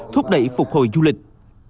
thúc đẩy phục hồi du lịch